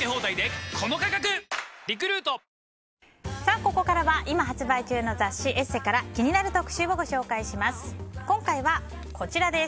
ここからは今発売中の雑誌「ＥＳＳＥ」から気になる特集をご紹介します。